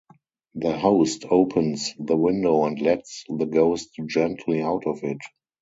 The host opens the window and lets the ghost gently out of it.